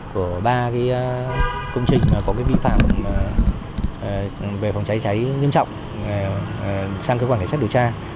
của ba công trình có vi phạm về phòng cháy cháy nghiêm trọng sang cơ quan cảnh sát điều tra